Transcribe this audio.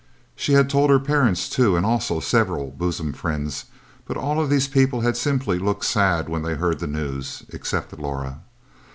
She had told her parents, too, and also several bosom friends; but all of these people had simply looked sad when they heard the news, except Laura.